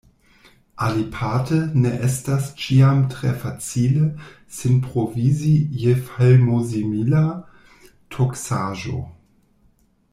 Aliparte ne estas ĉiam tre facile sin provizi je fulmosimila toksaĵo.